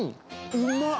うまっ。